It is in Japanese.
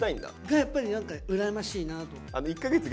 がやっぱり何か羨ましいなと。